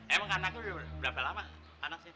emang kanaknya udah berapa lama